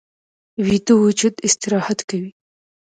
ویده وجود استراحت کوي